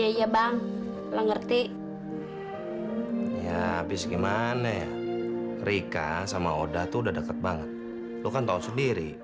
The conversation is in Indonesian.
iya bang lo ngerti ya abis gimana ya rika sama oda tuh udah deket banget lo kan tahu sendiri